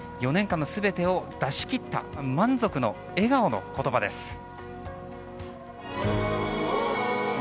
４年間の全てを出し切った満足の笑顔の言葉です。